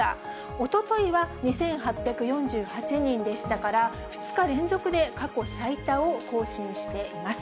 おとといは２８４８人でしたから、２日連続で過去最多を更新しています。